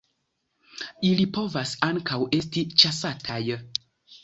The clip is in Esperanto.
Ili povas ankaŭ esti ĉasataj.